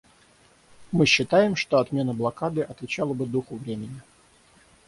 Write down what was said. Мы считаем, что отмена блокады отвечала бы духу времени.